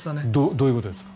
どういうことですか？